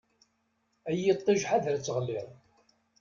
Ay iṭṭij ḥader ad teɣliḍ.